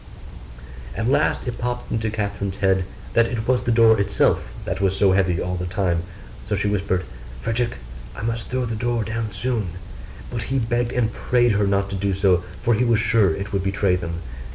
At last it popped into Catherine's head that it was the door itself that was so heavy all the time: so she whispered, 'Frederick, I must throw the door down soon.' But he begged and prayed her not to do so, for he was sure it would betray them.